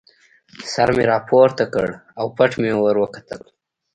سر مې را پورته کړ او پټ مې ور وکتل.